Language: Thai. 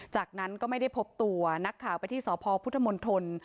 จากนั้นก็ไม่ได้พบตัวนักข่าวไปที่สพพุทธมนตร